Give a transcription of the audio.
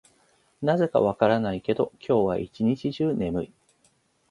なぜか分からないけど、今日は一日中眠い。